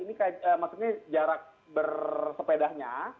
maksudnya jarak bersepedanya